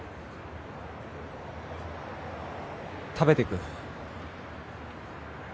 食べてく？